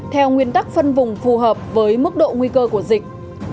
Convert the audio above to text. theo nguyên tắc phân vùng phù hợp với mức độ nguy cơ của dịch